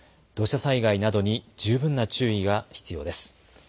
土砂災害などに十分な注意が必要です。